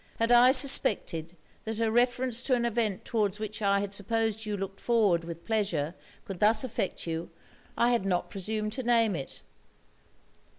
Had I suspected that a reference to an event towards which I supposed you looked forward with pleasure, could thus affect you, I had not presumed to name it.